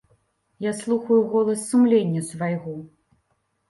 Я слухаю голас сумлення свайго.